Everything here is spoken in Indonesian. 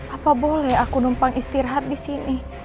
apa boleh aku numpang istirahat di sini